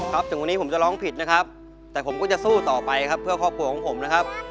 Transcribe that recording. ถึงวันนี้ผมจะร้องผิดนะครับแต่ผมก็จะสู้ต่อไปครับเพื่อครอบครัวของผมนะครับ